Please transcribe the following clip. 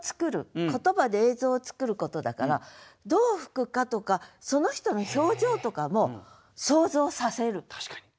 言葉で映像をつくることだからどう吹くかとかその人の表情とかも想像させる。